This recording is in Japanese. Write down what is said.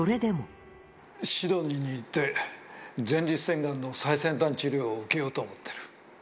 シドニーに行って、前立腺がんの最先端治療を受けようと思ってる。